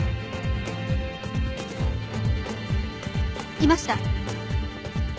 いました！